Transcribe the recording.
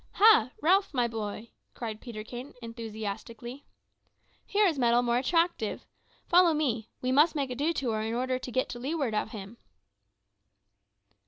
"Ha! Ralph, my boy," cried Peterkin enthusiastically, "here is metal more attractive! Follow me; we must make a detour in order to get to leeward of him."